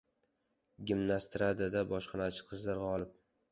“Gimnastrada”da bojxonachi qizlar g‘olib